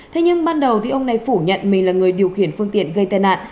thế nhưng ban đầu ông này phủ nhận mình là người điều khiển phương tiện gây tai nạn